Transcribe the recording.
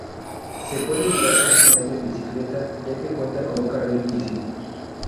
Se puede llegar fácilmente en bicicleta, ya que cuenta con un carril bici.